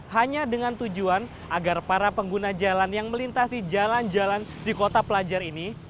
hanya dengan tujuan agar para pengguna jalan yang melintasi jalan jalan di kota pelajar ini